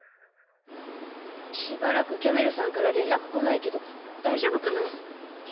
しばらくキャメルさんから連絡来ないけど大丈夫かな？